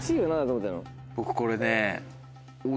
僕これね。